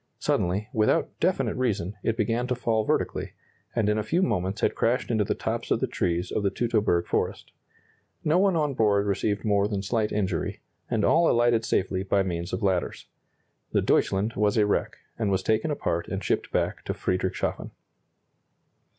Suddenly, without definite reason, it began to fall vertically, and in a few moments had crashed into the tops of the trees of the Teutoberg forest. No one on board received more than slight injury, and all alighted safely by means of ladders. The "Deutschland" was a wreck, and was taken apart and shipped back to Friedrichshafen.